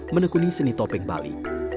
menekuni seni topeng bali